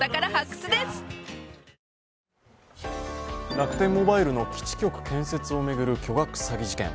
楽天モバイルの基地局建設を巡る巨額詐欺事件。